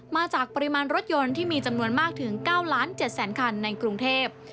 มาจากปริมาณรถยนต์ที่มีจำนวนมากถึง๙๗๐๐คันในกรุงเทพ